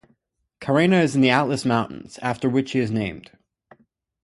Carena in the Atlas mountains, after which he is named.